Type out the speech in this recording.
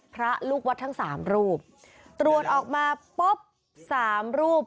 พระลูกวัดทั้งสามรูปตรวจออกมาปุ๊บสามรูป